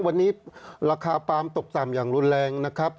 วันนี้ราคาปาล์มตกต่ำอย่างรุนแรงนะครับ